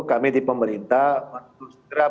kami di pemerintah